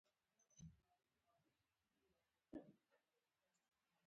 شاګردانو به یو بل ته سره وکتل.